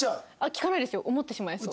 聞かない思ってしまいそう。